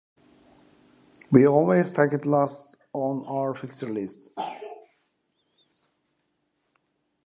We always take it last on our fixture-list.